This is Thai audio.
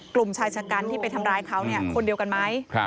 กลุ่มชายชะกันที่ไปทำร้ายเขาคนเดียวกันไหม